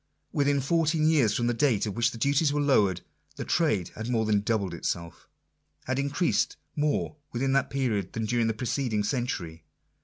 Within fourteen years from the date at which the duties were lowered, the trade had more than doubled itself — had increased more within that period than during the preceding century.